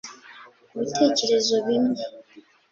ku bitekerezo bimwe